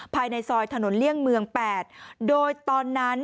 ภายในซอยถนนเลี่ยงเมือง๘โดยตอนนั้น